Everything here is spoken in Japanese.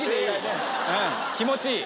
うん気持ちいい。